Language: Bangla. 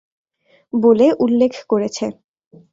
বলে উল্লেখ করেছে।